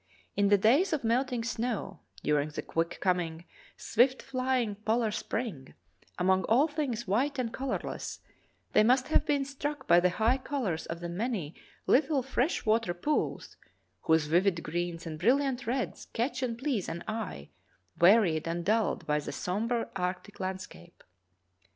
In the days of melting snow, during the quick coming, swift flying polar spring, among all things white and colorless, they must have been struck by the high colors of the man}' little fresh water pools whose vivid greens and brilliant reds catch and please an eye wearied and dulled by the sombre arctic landscape.